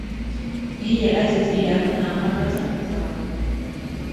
هىَ أتت إلى هُنا مرةً أخرى.